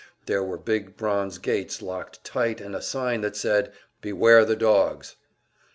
There were big bronze gates locked tight, and a sign that said: "Beware the dogs!"